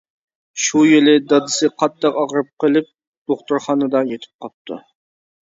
شۇ يىلى دادىسى قاتتىق ئاغرىپ قېلىپ، دوختۇرخانىدا يېتىپ قاپتۇ.